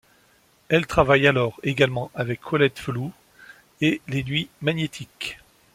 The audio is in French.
Elle travaille alors également avec Colette Fellous et Les nuits magnétiques.